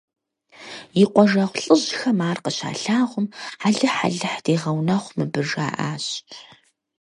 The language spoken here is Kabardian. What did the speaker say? И къуажэгъу лӀыжьхэм ар къыщалъагъум, алыхь – алыхь дегъэунэхъу мыбы, жаӀащ.